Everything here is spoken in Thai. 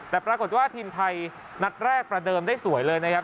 แต่ปรากฏว่าทีมไทยนัดแรกประเดิมได้สวยเลยนะครับ